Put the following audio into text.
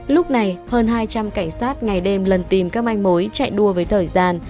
lúc này hơn hai trăm linh cảnh sát ngày đêm lần tìm các manh mối chạy đua với thời gian